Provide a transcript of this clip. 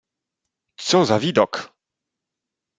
"Co za widok!"